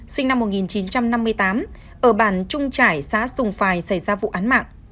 sinh năm một nghìn chín trăm năm mươi tám ở bản trung trải xã sùng phài xảy ra vụ án mạng